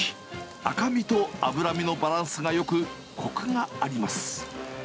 赤身と脂身のバランスがよく、こくがあります。